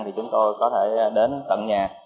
thì chúng tôi có thể đến tận nhà